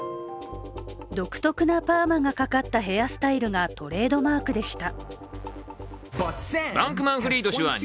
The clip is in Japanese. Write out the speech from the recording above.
独特なパーマがかかったヘアスタイルがトレードマークでした。